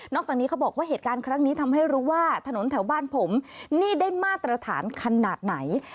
จากนี้เขาบอกว่าเหตุการณ์ครั้งนี้ทำให้รู้ว่าถนนแถวบ้านผมนี่ได้มาตรฐานขนาดไหน